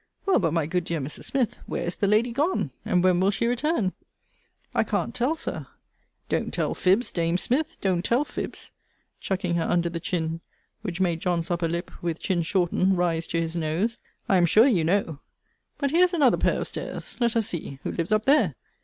Well, but my good dear Mrs. Smith, where is the lady gone? and when will she return? I can't tell, Sir. Don't tell fibs, dame Smith; don't tell fibs, chucking her under the chin: which made John's upper lip, with chin shortened, rise to his nose. I am sure you know! But here's another pair of stairs: let us see: Who lives up there?